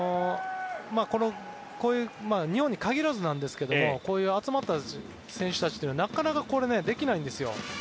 日本に限らずなんですけど集まった選手たちはなかなかできないんですよ。